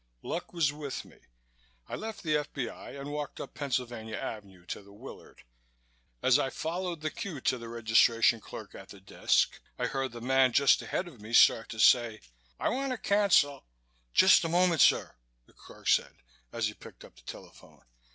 Luck was with me. I left the F.B.I. and walked up Pennsylvania Avenue to the Willard. As I followed the queue to the registration clerk at the desk I heard the man just ahead of me start to say: "I want to cancel " "Just a moment, sir," the clerk said, as he picked up the telephone.